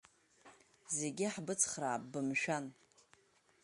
Зегьы ҳбыцхраап, бымшәан!